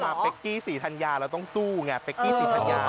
มาพริกกี้สีธัญญาเราก็ต้องสู้ไงพริกกี้สีธัญญา